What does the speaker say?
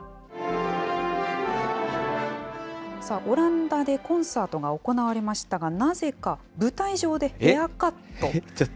オランダでコンサートが行われましたが、なぜか舞台上でヘアカット。